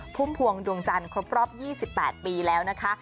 พุ่มพวงดวงจันทร์ครบรอบ๒๘ปีแล้วนะคะ